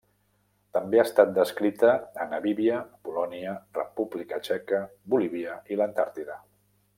També ha estat descrita a Namíbia, Polònia, República Txeca, Bolívia i l'Antàrtida.